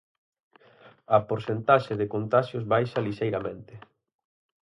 A porcentaxe de contaxios baixa lixeiramente.